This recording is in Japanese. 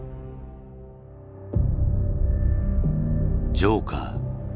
「ジョーカー」。